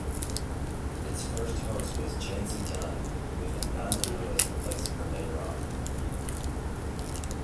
Its first host was Jancee Dunn, with Ananda Lewis replacing her later on.